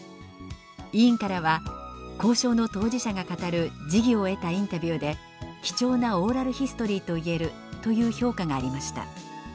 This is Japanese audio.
委員からは「交渉の当事者が語る時宜を得たインタビューで貴重なオーラルヒストリーと言える」という評価がありました。